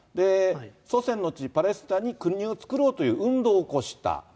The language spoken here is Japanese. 祖先の地、パレスチナに国を造ろうという運動を起こした。